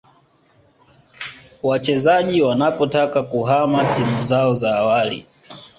wachezaji wanapotaka kuhama timu zao za awali